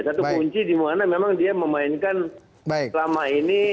satu kunci di mana memang dia memainkan selama ini